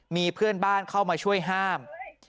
มีเพื่อนบ้านเข้ามาช่วยห้าม